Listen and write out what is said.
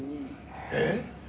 えっ。